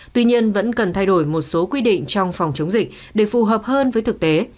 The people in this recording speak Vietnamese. tuy nhiên vẫn cần thay đổi một số quy định trong phòng chống dịch để phù hợp hơn với thực tế